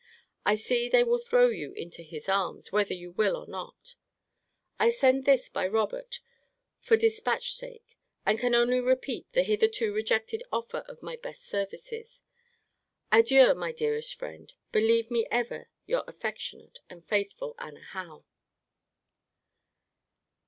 I see they will throw you into his arms, whether you will or not. I send this by Robert, for dispatch sake: and can only repeat the hitherto rejected offer of my best services. Adieu, my dearest friend. Believe me ever Your affectionate and faithful ANNA HOWE.